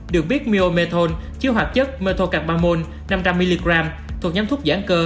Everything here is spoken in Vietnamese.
được biết myomethon chứa hoạt chất methocarbamol năm trăm linh mg thuộc nhóm thuốc giãn cơ